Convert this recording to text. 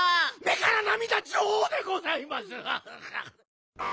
目からなみだジョーでございます。